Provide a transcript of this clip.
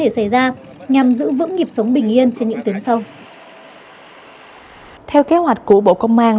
xảy ra nhằm giữ vững nghiệp sống bình yên trên những tuyến sông theo kế hoạch của bộ công an